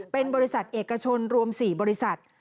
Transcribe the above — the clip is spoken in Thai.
เป็นบริษัทเอกชนรวม๔บริษัท